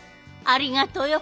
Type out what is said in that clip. ありがとよ。